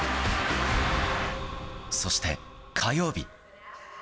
そして、火曜日。